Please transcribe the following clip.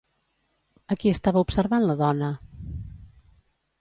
A qui estava observant la dona?